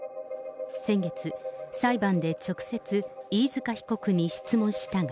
先月、裁判で直接、飯塚被告に質問したが。